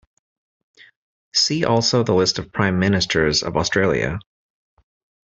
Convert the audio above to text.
See also the list of Prime Ministers of Australia.